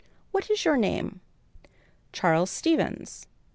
What is your name?" "Charles Stevens."